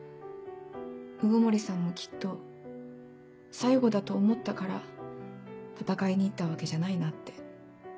鵜久森さんもきっと最後だと思ったから闘いに行ったわけじゃないなって。